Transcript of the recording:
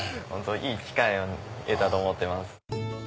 いい機会を得たと思ってます。